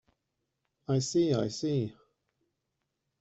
I see, I see.